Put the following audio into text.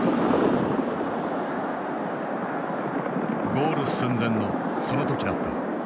ゴール寸前のその時だった。